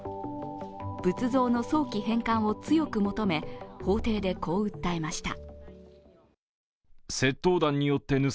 仏像の早期返還を強く求め法廷でこう訴えました。